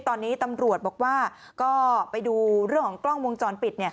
ตอนนี้ตำรวจบอกว่าก็ไปดูเรื่องของกล้องวงจรปิด